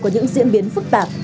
có những diễn biến phức tạp